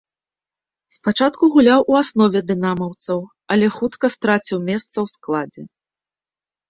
Спачатку гуляў у аснове дынамаўцаў, але хутка страціў месца ў складзе.